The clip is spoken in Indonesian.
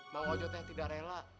mau ngajau teh tidak rela